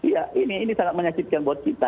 ya ini sangat menyakitkan buat kita